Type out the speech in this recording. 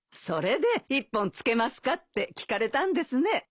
それで１本つけますかって聞かれたんですね。